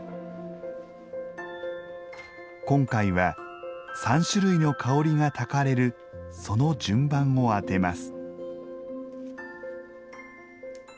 今回は３種類の香りがたかれるその順番を当てます。